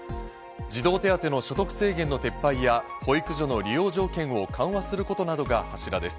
児童手当の所得制限の撤廃や、保育所の利用条件を緩和することなどが柱です。